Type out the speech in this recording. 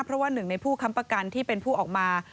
เพราะว่าหนึ่งในผู้ค้ำประกันที่เป็นผู้ออกมา